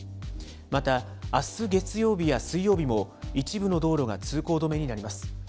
また、あす月曜日や水曜日も、一部の道路が通行止めになります。